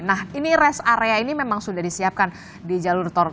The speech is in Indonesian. nah ini rest area ini memang sudah disiapkan di jalur tol